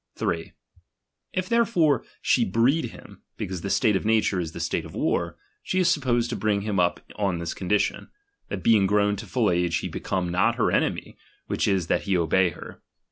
inion 3_ jf therefore she breed him, because the state is origindij of uature is the state of war, she is supposed to bring him up on this couditioti ; that being grown to full age he become not her enemy; which is, that he obey her.